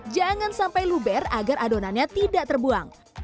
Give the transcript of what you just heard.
jangan sampai luber agar adonannya tidak terbuang